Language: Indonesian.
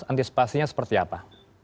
antisipasinya seperti apa